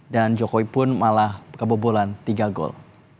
dan jokowi pun malah kabupolan tiga gol